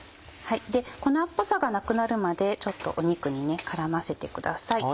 粉っぽさがなくなるまで肉に絡ませてください。